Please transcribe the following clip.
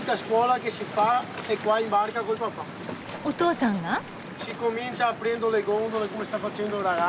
お父さんが。